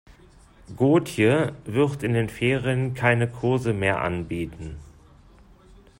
Gotje wird in den Ferien keine Kurse mehr anbieten.